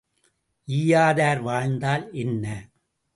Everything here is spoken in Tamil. ஈயாதார் வாழ்ந்தால் என்ன?